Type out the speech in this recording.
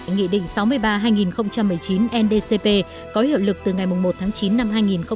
nghị định sáu mươi ba hai nghìn một mươi chín ndcp có hiệu lực từ ngày một tháng chín năm hai nghìn hai mươi